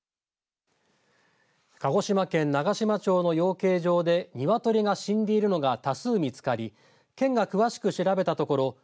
鹿児島県長島町の養鶏場でニワトリが死んでいるのが多数見つかり県が詳しく調べたところ